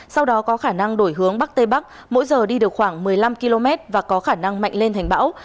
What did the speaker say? sau đó có khả năng đổi hướng bắc tây bắc mỗi giờ đi được khoảng một mươi năm km và có khả năng mạnh lên thành bão